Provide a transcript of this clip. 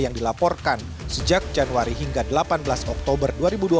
yang dilaporkan sejak januari hingga delapan belas oktober dua ribu dua puluh